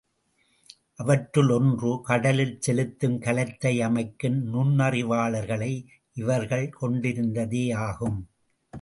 அவற்றுள் ஒன்று கடலில் செலுத்தும் கலத்தை அமைக்கும் நுண்ணறிவாளர்களை இவர்கள் கொண்டிருந்ததேயாகும்.